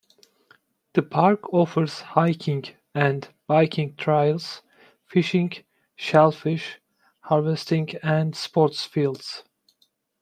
The park offers hiking and biking trails, fishing, shellfish harvesting, and sports fields.